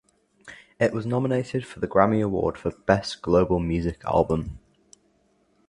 It was nominated for the Grammy Award for Best Global Music Album.